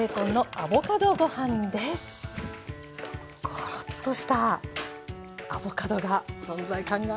コロッとしたアボカドが存在感がありますね。